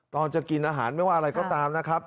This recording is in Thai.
ตอนจะกินอาหารไม่ว่าอะไรก็ตามนะครับ